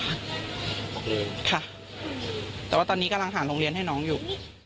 ออกเลยค่ะแต่ว่าตอนนี้กำลังหาโรงเรียนให้น้องอยู่